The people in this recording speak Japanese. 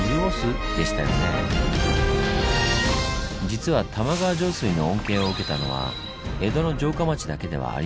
実は玉川上水の恩恵を受けたのは江戸の城下町だけではありません。